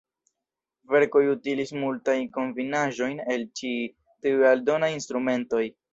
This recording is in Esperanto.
Verkoj utilis multajn kombinaĵojn el ĉi tiuj aldonaj instrumentoj.